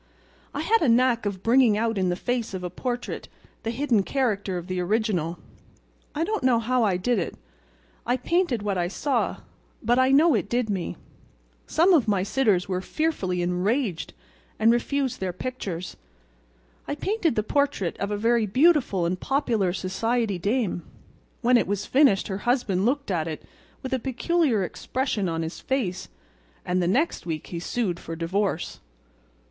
I had a knack of bringing out in the face of a portrait the hidden character of the original. I don't know how I did it—I painted what I saw—but I know it did me. Some of my sitters were fearfully enraged and refused their pictures. I painted the portrait of a very beautiful and popular society dame. When it was finished her husband looked at it with a peculiar expression on his face, and the next week he sued for divorce."